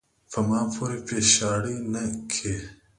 پۀ ما پورې پیشاړې نۀ کے ،